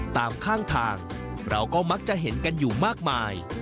ตามข้างทางเราก็มักจะเห็นกันอยู่มากมาย